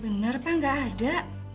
bener pak gak ada